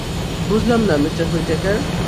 বুঝলাম না, Mr Whitaker?